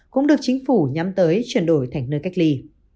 cũng được chính phủ nhắm tới chuyển đổi thành nơi cách ly